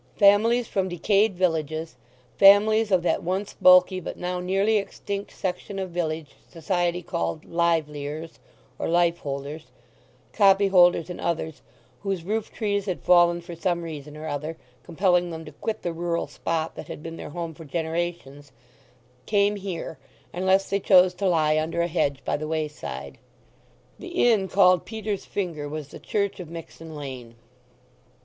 Families from decayed villages—families of that once bulky, but now nearly extinct, section of village society called "liviers," or lifeholders—copyholders and others, whose roof trees had fallen for some reason or other, compelling them to quit the rural spot that had been their home for generations—came here, unless they chose to lie under a hedge by the wayside. The inn called Peter's Finger was the church of Mixen Lane.